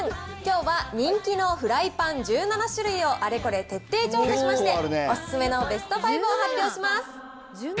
きょうは人気のフライパン１７種類をあれこれ徹底調査しまして、お勧めのベスト５を発表します。